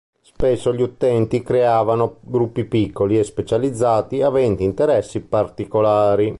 Spesso gli utenti creavano gruppi piccoli e specializzati aventi interessi particolari.